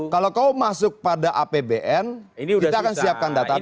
kalau kau masuk pada apbn kita akan siapkan datanya